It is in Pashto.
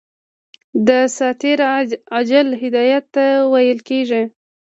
دساتیر عاجل هدایت ته ویل کیږي.